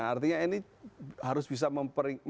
nah artinya ini harus bisa mengingatkan